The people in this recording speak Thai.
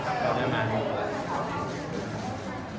ก็คือเจ้าเม่าคืนนี้